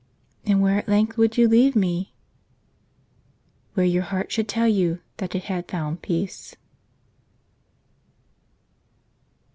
" And where at length would you leave me ?" "Where your heart should tell you that it had found peace."